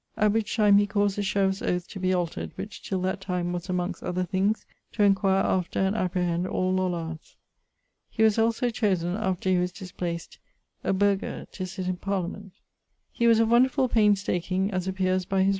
at which time he caused the sheriff's oath to be altered, which till that time was, amongst other things, to enquire after and apprehend all Lollards. He was also chosen, after he was displaced, a burghesse to sitt in Parliament. [XLVIII.]He was of wonderfull painstaking, as appeares by his writings.